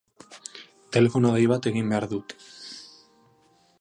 Telefono dei bat egin behar dut.